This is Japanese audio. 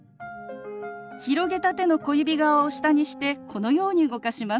広げた手の小指側を下にしてこのように動かします。